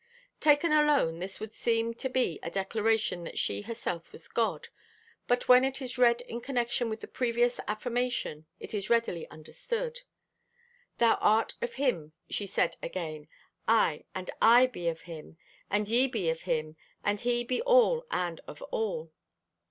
Taken alone this would seem to be a declaration that she herself was God, but when it is read in connection with the previous affirmation it is readily understood. "Thou art of Him," she said again, "aye, and I be of Him, and ye be of Him, and He be all and of all."